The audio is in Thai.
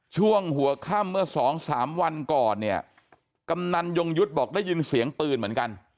ช่วงหัวค่ำเมื่อสองสามวันก่อนเนี่ยกำนันยงยุทธ์บอกได้ยินเสียงปืนเหมือนกัน